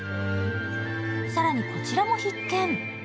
更にこちらも必見。